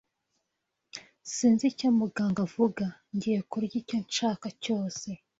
Sinzi icyo muganga avuga. Ngiye kurya icyo nshaka cyose.